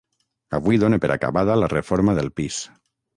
Avui done per acabada la reforma del pis.